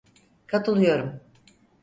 KatıIıyorum.